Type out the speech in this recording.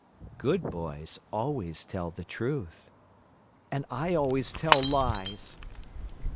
"Good boys always tell the truth." "And I always tell lies."